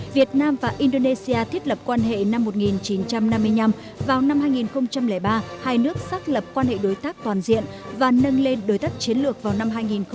việt nam và indonesia thiết lập quan hệ năm một nghìn chín trăm năm mươi năm vào năm hai nghìn ba hai nước xác lập quan hệ đối tác toàn diện và nâng lên đối tác chiến lược vào năm hai nghìn một mươi